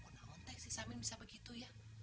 kunah kuntah si samuel bisa begitu ya